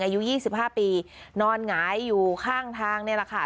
อายุ๒๕ปีนอนหงายอยู่ข้างทางนี่แหละค่ะ